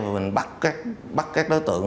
mình bắt các đối tượng